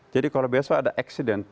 jadi kalau besok ada eksiden